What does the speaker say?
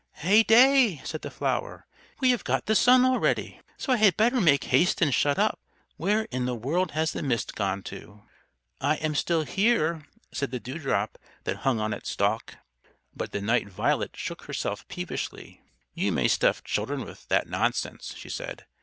"Heyday!" said the flower. "We have got the Sun already, so I had better make haste and shut up. Where in the world has the Mist gone to?" "I am still here," said the Dewdrop that hung on its stalk. But the Night Violet shook herself peevishly. "You may stuff children with that nonsense," she said.